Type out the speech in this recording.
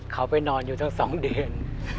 เขาไปนอนอยู่ตั้งสองเดือน